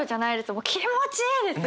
もう気持ちいい！ですよ。